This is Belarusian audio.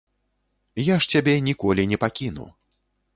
Я ж цябе ніколі не пакіну.